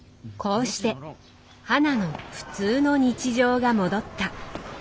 こうして花の普通の日常が戻った。